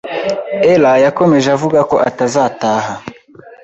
Ella yakomeje avuga ko atazataha